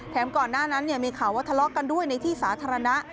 ก่อนหน้านั้นมีข่าวว่าทะเลาะกันด้วยในที่สาธารณะ